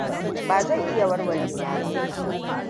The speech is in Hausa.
Ba zai iya warwarewa ba.